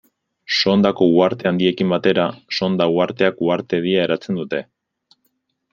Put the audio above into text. Sondako uharte handiekin batera, Sonda uharteak uhartedia eratzen dute.